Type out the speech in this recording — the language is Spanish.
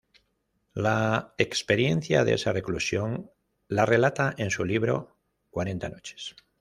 La experiencia de esa reclusión la relata en su libro "Cuarenta noches".